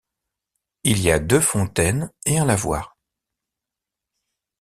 Il y a deux fontaines et un lavoir.